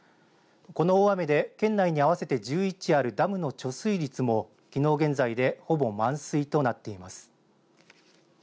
この大雨で県内に合わせて１１あるダムの貯水率も、きのう現在でほぼ満水となっています。